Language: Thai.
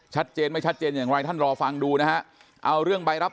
ชัดเจนไม่ชัดเจนอย่างไรท่านรอฟังดูนะฮะเอาเรื่องใบรับ